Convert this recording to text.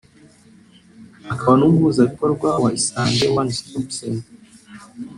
akaba n’umuhuzabikorwa wa Isange One Stop Center